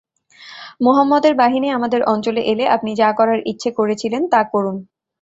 মুহাম্মদের বাহিনী আমাদের অঞ্চলে এলে আপনি যা করার ইচ্ছে করেছিলেন তা করুন।